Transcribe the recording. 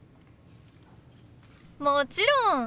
もちろん。